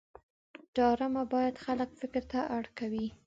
ډرامه باید خلک فکر ته اړ کړي